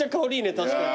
確かに。